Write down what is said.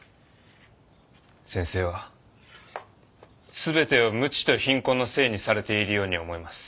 先生は全てを無知と貧困のせいにされているように思います。